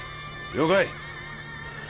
了解